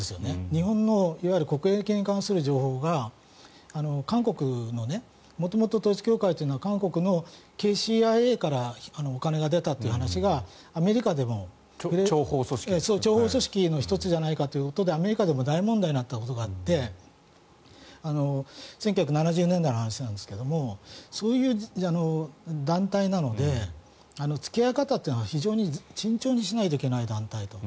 日本の国益に関する情報が韓国の元々、統一教会というのは韓国のＫＣＩＡからお金が出たという話がアメリカでも諜報組織の１つではないかということでアメリカでも大問題になったことがあって１９７０年代の話なんですがそういう団体なので付き合い方というのは非常に慎重にしなきゃいけない団体だと。